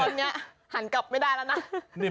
ตอนนี้หันกลับไม่ได้แล้วนะ